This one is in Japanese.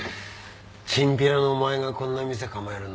チンピラのお前がこんな店構えるんだもんなあ。